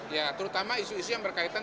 ya terutama isu isu yang berkaitan